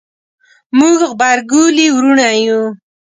موږ غبرګولي وروڼه یو